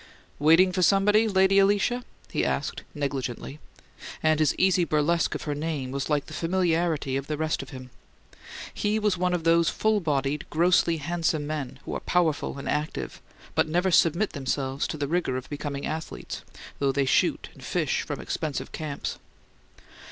"Waiting for somebody, Lady Alicia?" he asked, negligently; and his easy burlesque of her name was like the familiarity of the rest of him. He was one of those full bodied, grossly handsome men who are powerful and active, but never submit themselves to the rigour of becoming athletes, though they shoot and fish from expensive camps.